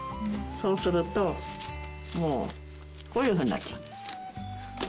そうするともうこういうふうになっちゃう。